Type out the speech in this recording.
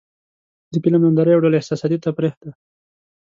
د فلم ننداره یو ډول احساساتي تفریح ده.